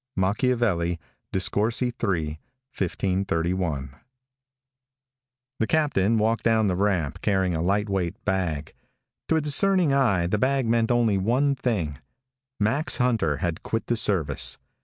_ Machiavelli, DISCORSI, III, 1531 The captain walked down the ramp carrying a lightweight bag. To a discerning eye, that bag meant only one thing: Max Hunter had quit the service.